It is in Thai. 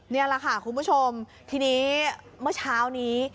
นี่แหละค่ะคุณผู้ชมทีนี้เมื่อเช้านี้